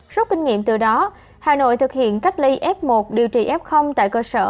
suốt kinh nghiệm từ đó hà nội thực hiện cách ly f một điều trị f tại cơ sở